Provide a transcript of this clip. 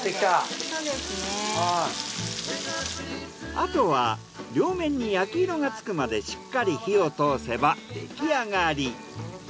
あとは両面に焼き色がつくまでしっかり火を通せば出来上がり。